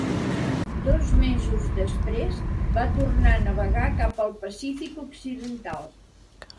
Dos mesos després, va tornar a navegar cap al Pacífic Occidental.